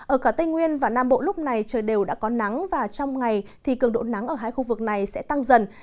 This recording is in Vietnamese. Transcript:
ở cả tây nguyên và nam bộ lúc này trời đều đã có nắng và trong ngày thì cường độ nắng ở hai khu vực này sẽ tăng dần